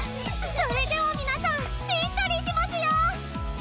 それでは皆さんエントリーしますよ！